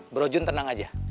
bro jun tenang aja